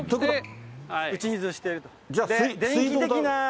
打ち水してると。